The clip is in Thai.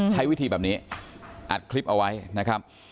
ใช้วิธีแบบนี้อัดคลิปเอาไว้นะครับ